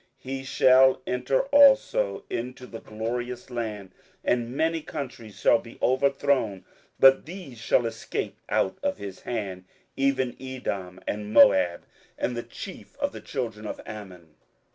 27:011:041 He shall enter also into the glorious land, and many countries shall be overthrown: but these shall escape out of his hand, even Edom, and Moab, and the chief of the children of Ammon.